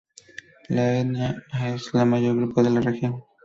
La etnia han es el mayor grupo de la región.